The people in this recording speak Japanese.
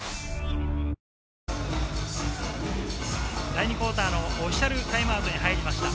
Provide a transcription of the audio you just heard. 第２クオーターのオフィシャルタイムアウトに入りました。